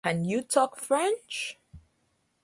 Can you talk French?